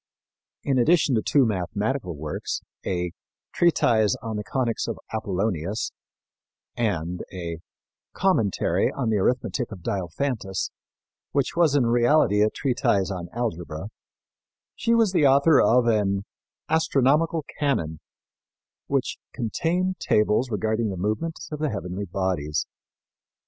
In addition to two mathematical works, a Treatise on the Conics of Apollonius and a Commentary on the Arithmetic of Diophantus, which was in reality a treatise on algebra, she was the author of an Astronomical Canon, which contained tables regarding the movements of the heavenly bodies.